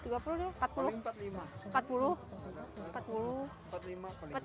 tiga puluh gak dapat